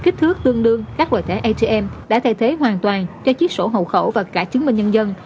kích thước tương đương các loại thẻ atm đã thay thế hoàn toàn cho chiếc sổ hộ khẩu và cả chứng minh nhân dân